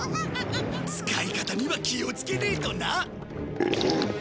使い方には気をつけねえとな！